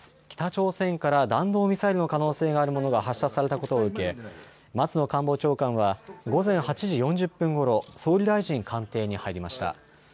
北朝鮮から弾道ミサイルの可能性があるものが発射されたことを受け松野官房長官は午前８時４０分ごろ、総理大臣官邸に入りました。